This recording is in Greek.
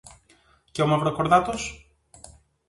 Και ο Μαυροκορδάτος;